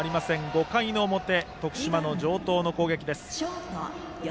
５回の表、徳島の城東の攻撃。